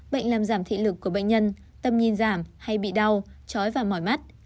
bệnh làm giảm thị lực của bệnh nhân tâm nhìn giảm hay bị đau chói và mỏi mắt